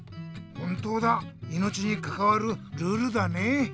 本当だいのちにかかわるルールだね。